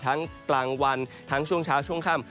กลางวันทั้งช่วงเช้าช่วงค่ำ